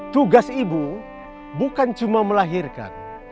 tugas ibu bukan cuma melahirkan